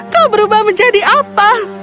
kau berubah menjadi apa